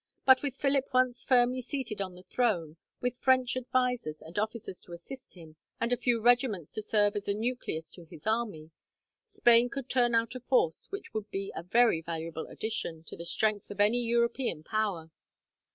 But with Philip once firmly seated on the throne, with French advisers and officers to assist him, and a few regiments to serve as a nucleus to his army, Spain could turn out a force which would be a very valuable addition to the strength of any European power.